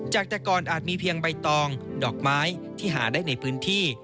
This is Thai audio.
จากแต่ก่อนอาจมีเพียงใบตองดอกไม้ที่หาได้ในพื้นที่